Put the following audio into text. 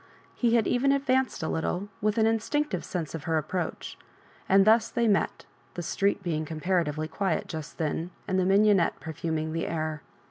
He had even advanced a little, with an instinctive sense of her approach; andjthus they met, the street being comparatively quiet just then, and the mignonette perfuming the air.